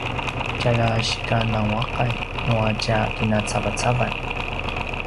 tjalja sika nanguaqan nua tja kinacavacavan